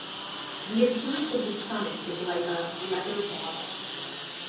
The appearance of the stomach is like a "leather bottle".